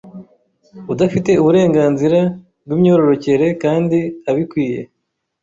udafite uburenganzira bwimyororokere kandi abikwiye